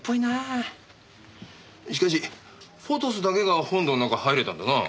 しかし『フォトス』だけが本堂の中入れたんだな。